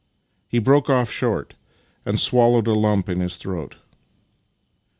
He broke off short, and swallowed a lump in his throat.